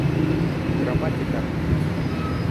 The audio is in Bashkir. Грамматика